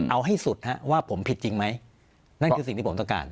เอาให้สุดฮะว่าผมผิดจริงไหมนั่นคือสิ่งที่ผมต้องการ